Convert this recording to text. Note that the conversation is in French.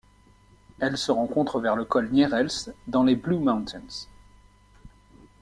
Elle se rencontre vers le col Nierels dans les Blue Mountains.